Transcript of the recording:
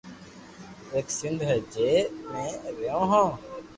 ايڪ سندھ ھي جي ۾ مي رھيو ھون